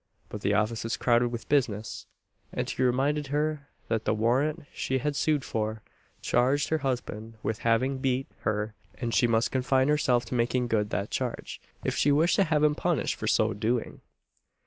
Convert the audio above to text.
But the office was crowded with business, and he reminded her that the warrant she had sued for, charged her husband with having beat her; and she must confine herself to making good that charge, if she wished to have him punished for so doing.